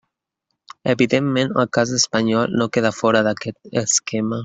Evidentment, el cas espanyol no queda fora d'aquest esquema.